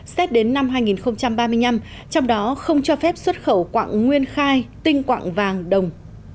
xét đến năm hai nghìn ba mươi năm trong đó không cho phép xuất khẩu quạng nguyên khai tinh quạng vàng đồng